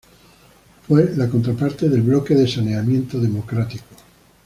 Fue la contraparte del Bloque de Saneamiento Democrático.